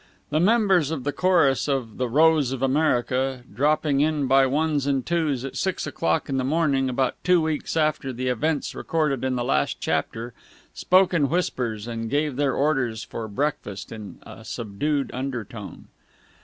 The members of the chorus of "The Rose of America," dropping in by ones and twos at six o'clock in the morning about two weeks after the events recorded in the last chapter, spoke in whispers and gave their orders for breakfast in a subdued undertone.